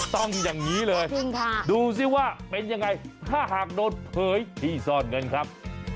ต้องอย่างนี้เลยดูสิว่าเป็นยังไงถ้าหากโดนเผยที่ซ่อนเงินครับ